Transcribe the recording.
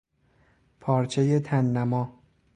پارچهی تننما